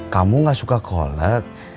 kamu nggak suka kolek